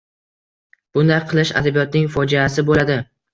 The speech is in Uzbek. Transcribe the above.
Bunday qilish adabiyotning fojiasi bo‘ladi.